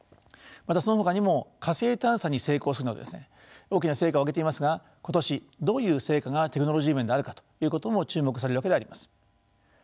またそのほかにも火星探査に成功するなど大きな成果を上げていますが今年どういう成果がテクノロジー面であるかということも注目されるわけであります。